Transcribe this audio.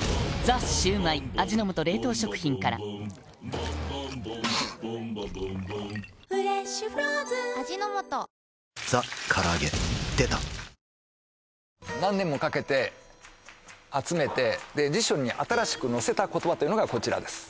「ザ★シュウマイ」味の素冷凍食品から「ザ★から揚げ」出た何年もかけて集めて辞書に新しく載せた言葉というのがこちらです